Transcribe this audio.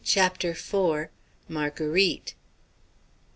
CHAPTER IV. MARGUERITE.